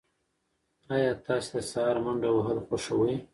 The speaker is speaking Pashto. ایا تاسي د سهار منډه وهل خوښوئ؟